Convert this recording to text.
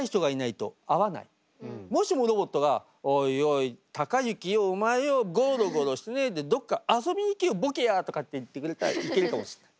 もしもロボットが「おいおい貴之よお前よごろごろしてねえでどっか遊びに行けよボケや」とかって言ってくれたら行けるかもしれない。